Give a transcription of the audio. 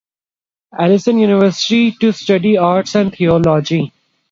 Allison University to study Arts and Theology.